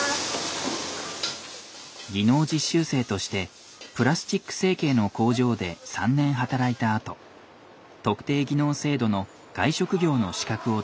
技能実習生としてプラスチック成形の工場で３年働いたあと特定技能制度の外食業の資格を取って就職。